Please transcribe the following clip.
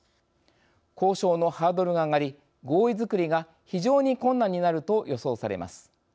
交渉のハードルが上がり合意づくりが非常に困難になると予想されます。